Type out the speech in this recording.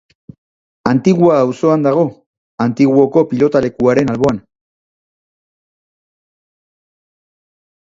Antigua auzoan dago, Antiguoko pilotalekuaren alboan.